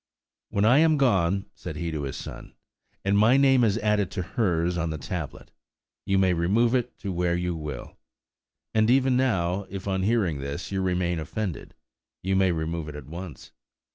"When I am gone," said he to his son, "and my name is added to hers on the tablet, you may remove it to where you will; and even now, if, on hearing this, you remain offended, you may remove it at once.